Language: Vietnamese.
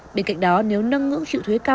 bên cạnh đó nếu nâng ngưỡng chịu thuế cao